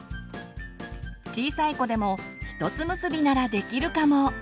小さい子でもひとつ結びならできるかも！